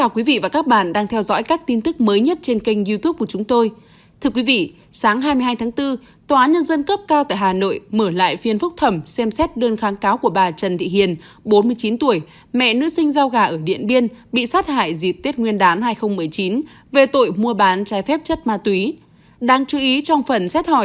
các bạn hãy đăng ký kênh để ủng hộ kênh của chúng tôi nhé